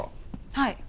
はい。